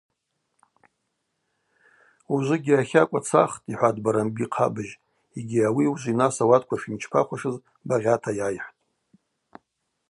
Ужвыгьи ахакӏва цахтӏ, – йхӏватӏ Барамби-хъабыжь йгьи ауи ужвинас ауатква шйымчпахуашыз багъьата йайхӏвтӏ.